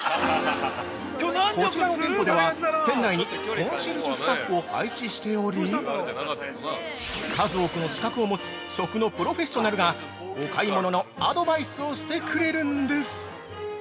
◆こちらの店舗では、店内にコンシェルジュスタッフを配置しており、数多くの資格を持つ食のプロフェッショナルがお買い物のアドバイスをしてくれるんです！